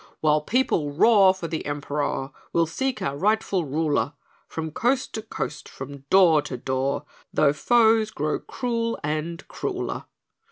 "While people roar for the Emperor We'll seek our rightful ruler From coast to coast from door to door Though foes grow cruel and crueller!